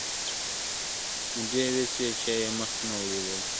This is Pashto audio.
مودې وسوې چا یې مخ نه وو لیدلی ..